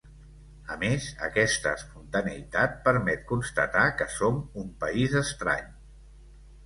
A més, aquesta espontaneïtat permet constatar que som un país estrany.